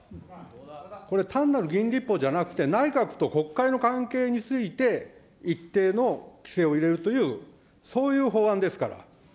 これ、単なる議員立法じゃなくて、内閣と国会の関係について、一定の規制を入れるという、そういう法案ですから。